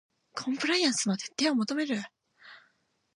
コンプライアンスの徹底を求める